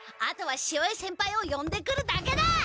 あとは潮江先輩をよんでくるだけだ！